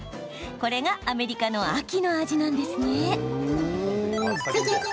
これがアメリカの秋の味なんですね。